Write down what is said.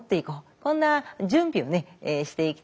こんな準備をねしていきたいと思います。